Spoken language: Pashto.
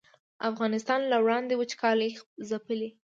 افغانستان له وړاندې وچکالۍ ځپلی